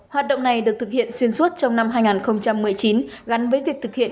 hoạt động này được thực hiện xuyên suốt trong năm hai nghìn một mươi chín gắn với việc thực hiện